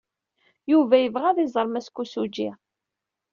Yuba yebɣa ad iẓer Mass Kosugi.